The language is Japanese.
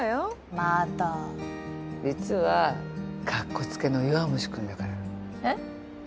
また実はカッコつけの弱虫君だからえっ？